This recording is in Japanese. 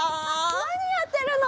なにやってるの？